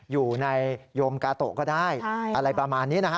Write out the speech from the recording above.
โยมกาโตะก็ได้อะไรประมาณนี้นะฮะ